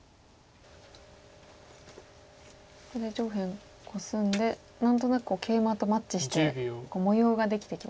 ここで上辺コスんで何となくケイマとマッチして模様ができてきましたね。